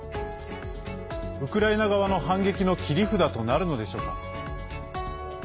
ウクライナ側の反撃の切り札となるのでしょうか。